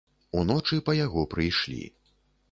Уночы па яго прыйшлі.